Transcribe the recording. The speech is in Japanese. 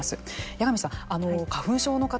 矢上さん、花粉症の方